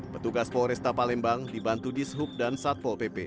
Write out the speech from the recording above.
petugas polresta palembang dibantu di sehub dan satpol pp